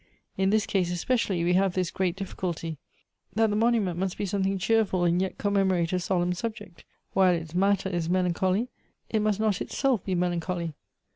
In this case especially we have this great difficulty, that the monument must be something cheerful and yet commemorate a solemn subject ; while its matter is melancholy, it must not itself be melancholy.